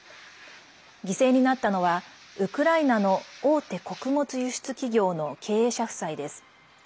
犠牲になったのはウクライナの大手穀物輸出企業の経営者夫妻です。